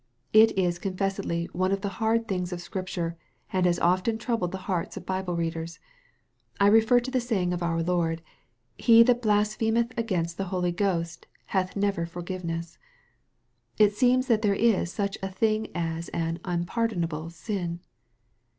It is confessedly one of the hard things of Scripture, and has often troubled the hearts of Bible readers. I refer to the saying of our Lord, " He that blasphemeth against the Holy Ghost hath never forgiveness." It seems that there is such a thing as an unpardonable sin.